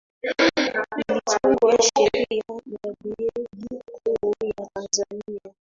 ilitungwa sheria ya beenki kuu ya tanzania